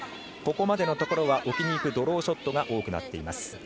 ここまでのところは置きにいくドローショットが多くなっています。